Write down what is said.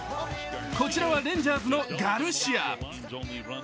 こちらはレンジャーズのガルシア。